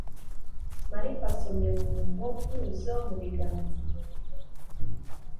Mariko asomye mu nkovu zo mu biganza